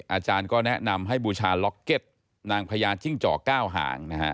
อาจารย์ก็แนะนำให้บูชาล็อกเก็ตนางพญาจิ้งจอก๙หางนะฮะ